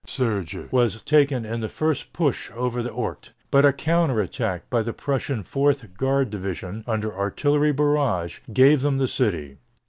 Sergy was taken in the first rush over the Ourcq, but a counter attack by the Prussian Fourth Guard Division, under artillery barrage, gave them the city.